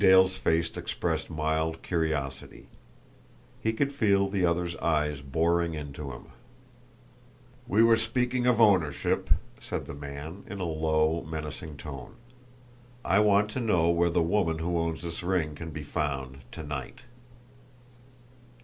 Jimmie Dale's face expressed mild curiosity. He could feel the other's eyes boring into him. "We were speaking of ownership," said the man, in a low, menacing tone. "I want to know where the woman who owns this ring can be found to night."